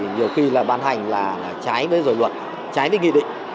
nhiều khi ban hành là trái với dòi luật trái với nghị định